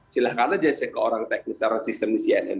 silahkan aja saya ke orang teknis orang sistem di cnn